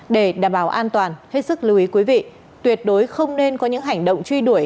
để đảm bảo an toàn hết sức lưu ý quý vị tuyệt đối không nên có những hành động truy đuổi